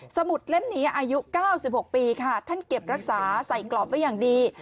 สมุดเล่มนี้อายุ๙๖ปีค่ะท่านเก็บรักษาใส่กรอบไว้อย่างดี